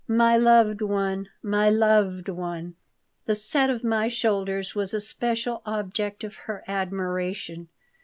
My loved one! My loved one!" The set of my shoulders was a special object of her admiration.